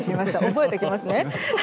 覚えておきますね。